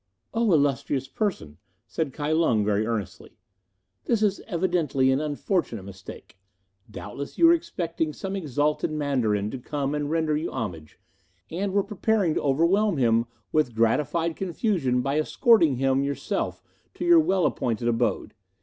"O illustrious person," said Kai Lung very earnestly, "this is evidently an unfortunate mistake. Doubtless you were expecting some exalted Mandarin to come and render you homage, and were preparing to overwhelm him with gratified confusion by escorting him yourself to your well appointed abode.